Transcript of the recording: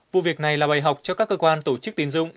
vụ việc này là bày học cho các cơ quan tổ chức tiến dụng